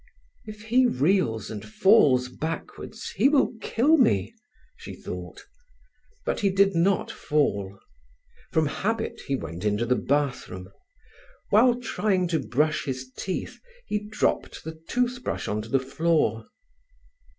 "If he reels and falls backwards he will kill me," she thought, but he did not fall. From habit he went into the bathroom. While trying to brush his teeth he dropped the tooth brush on to the floor.